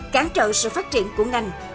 cản trợ sự phát triển của ngành